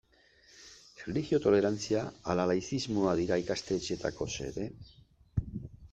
Erlijio tolerantzia ala laizismoa dira ikastetxeetako xede?